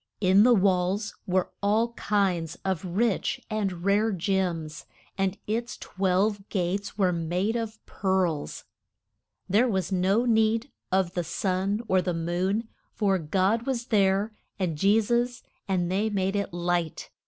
In the walls were all kinds of rich and rare gems, and its twelve gates were made of pearls. There was no need of the sun or the moon, for God was there and Je sus, and they made it light.